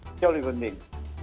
seolah olah lebih mending